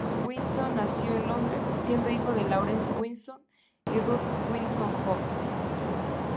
Winston nació en Londres siendo hijo de Laurence Winston y Ruth Winston-Fox.